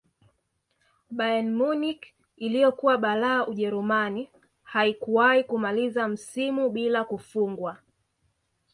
bayern munich iliyokuwa balaa ujerumani haikuwahi kumaliza msimu bila kufungwa